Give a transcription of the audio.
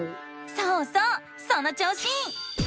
そうそうその調子！